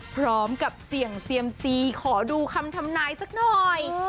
พร้อมกับเสี่ยงเซียมซีขอดูคำทำนายสักหน่อย